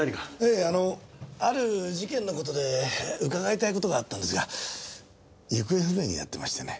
ええあのある事件の事で伺いたい事があったんですが行方不明になってましてね。